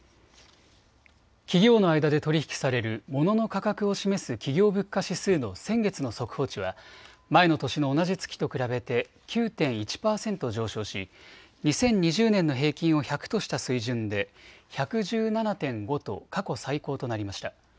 企業の間で取り引きされるモノの価格を示す企業物価指数の先月の速報値は前の年の同じ月と比べて９．１％上昇し２０２０年の平均を１００とした水準で１１７．５と過去最高となりました。